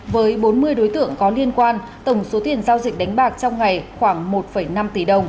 với bốn mươi đối tượng có liên quan tổng số tiền giao dịch đánh bạc trong ngày